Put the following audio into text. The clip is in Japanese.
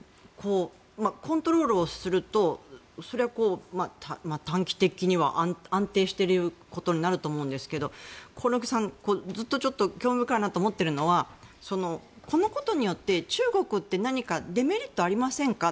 コントロールをするとそれは短期的には安定していることになると思うんですけど興梠さん、ずっと興味深いなと思っているのはこのことによって中国って何かデメリットありませんか？